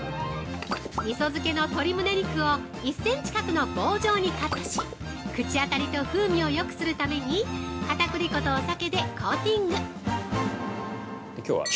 ◆みそ漬けの鶏むね肉を１センチ角の棒状にカットし口当たりと風味をよくするために片栗粉とお酒でコーティング！